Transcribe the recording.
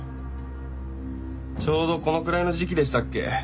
ちょうどこのくらいの時期でしたっけ？